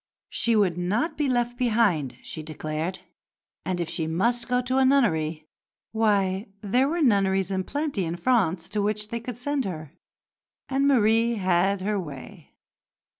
She would not be left behind, she declared; and if she must go to a nunnery, why there were nunneries in plenty in France to which they could send her. And Marie had her way.